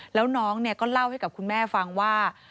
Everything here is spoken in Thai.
แล้วน้องก็เล่าให้กับคุณแม่ฟังว่า